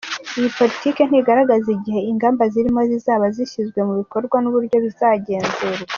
Iyi politiki ntigaragaza igihe ingamba zirimo zizaba zashyizwe mu bikorwa n’uburyo bizagenzurwa.